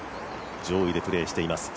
上位でプレーしています。